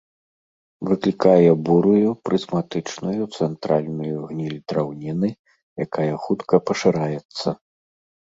Выклікае бурую, прызматычную, цэнтральную гніль драўніны, якая хутка пашыраецца.